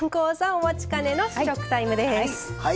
お待ちかねの試食タイムです。